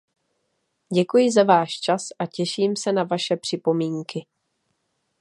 Děkuji za váš čas a těším se na vaše připomínky.